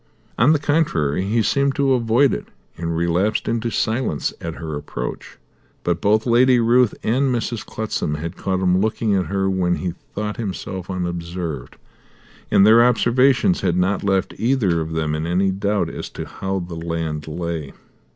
On the contrary he seemed to avoid it, and relapsed into silence at her approach. But both Lady Ruth and Mrs. Clutsam had caught him looking at her when he thought himself unobserved, and their observations had not left either of them in any doubt as to how the land lay.